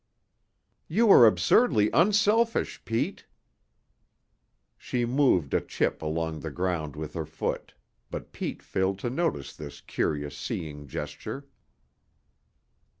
"You are absurdly unselfish, Pete!" She moved a chip along the ground with her foot, but Pete failed to notice this curious seeing gesture.